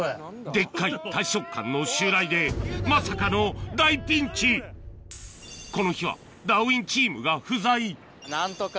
デッカい大食漢の襲来でまさかのこの日は『ダーウィン』チームが不在何とか。